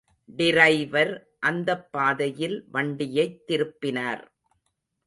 Driver அந்தப் பாதையில் வண்டியைத் திருப்பினார்.